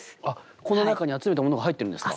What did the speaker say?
この中に集めたものが入ってるんですか？